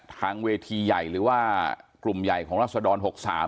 ทางเวทีใหญ่หรือว่ากลุ่มใหญ่ของรัศดร๖๓